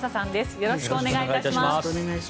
よろしくお願いします。